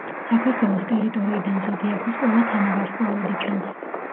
საქართველოს ტერიტორიიდან ზოდიაქოს ყველა თანავარსკვლავედი ჩანს.